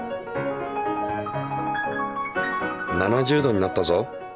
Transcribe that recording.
７０℃になったぞ。